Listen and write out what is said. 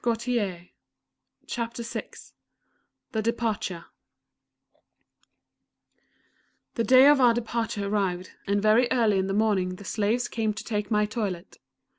CHAPTER VI THE DEPARTURE The day of our departure arrived, and very early in the morning the Slaves came to make my toilet.